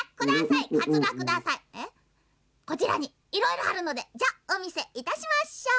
「こちらにいろいろあるのでおみせいたしましょう。